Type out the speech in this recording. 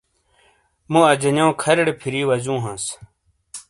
مُوسے اجانیو کھَریرے پھِیری واجوں ہانس۔